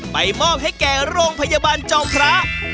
มอบให้แก่โรงพยาบาลจอมพระ